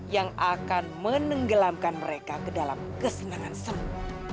yang akan menenggelamkan mereka ke dalam kesenangan semu